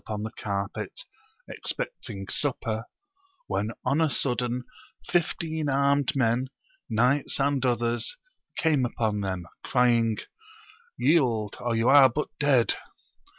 upon the carpet, expecting supper, when on a sudden fifteen armed men, knights and others, came upon them, crying, Yield or you aire but dead